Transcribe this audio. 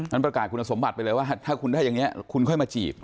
ประกาศคุณสมบัติไปเลยว่าถ้าคุณได้อย่างนี้คุณค่อยมาจีบ